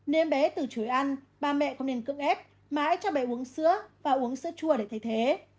nên bé từ chối ăn ba mẹ không nên cưỡng ép mãi cho bé uống sữa và uống sữa chua để thay thế